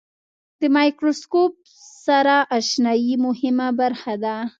د مایکروسکوپ سره آشنایي مهمه برخه ده.